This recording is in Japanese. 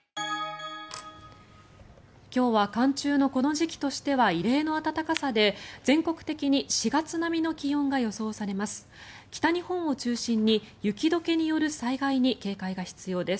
今日は寒中のこの時期としては異例の暖かさで全国的に４月並みの気温が予想されます。